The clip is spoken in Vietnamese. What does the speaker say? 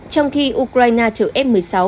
trong khi ukraine chở f một mươi sáu